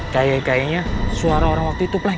kayaknya suara orang waktu itu plank